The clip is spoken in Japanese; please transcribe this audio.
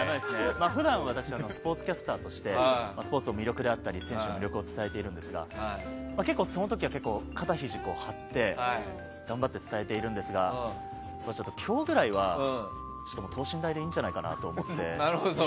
普段は私スポーツキャスターとしてスポーツの魅力や選手の魅力を伝えているんですが結構、その時は肩ひじを張って頑張って伝えているんですが今日ぐらいは等身大でいいんじゃないかと思って。